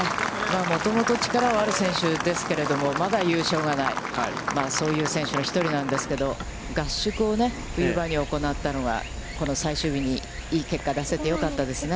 もともと力はある選手ですけれども、まだ優勝がない、そういう選手の１人なんですけど、合宿を冬場に行ったのが、この最終日に、いい結果を出せてよかったですね。